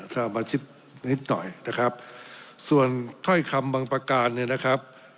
ถ้ามาชิดนิดหน่อยนะครับส่วนถ้อยคำบางประการเนี่ยนะครับ